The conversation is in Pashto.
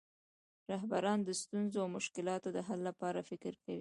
رهبران د ستونزو او مشکلاتو د حل لپاره فکر کوي.